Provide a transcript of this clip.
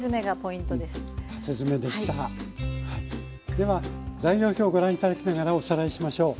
では材料表ご覧頂きながらおさらいしましょう。